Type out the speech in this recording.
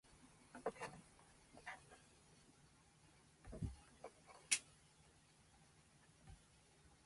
ご不明な点がございましたらお知らせください。